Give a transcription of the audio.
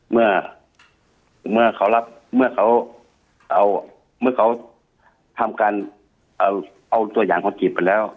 เมื่อเขาทำการเอาตัวอย่างของขีดไปแล้ว